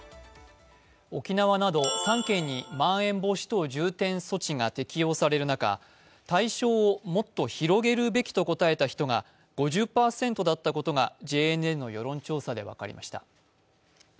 沖縄など３県にまん延防止等重点措置が広がる中、対象をもっと広げるべきと答えた人が５０％だったことがＪＮＮの世論調査で分かりました。